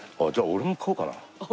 「俺も買おうかな」。